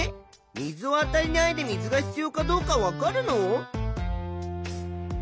水をあたえないで水が必要かどうかわかるの？